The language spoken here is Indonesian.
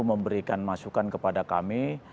memberikan masukan kepada kami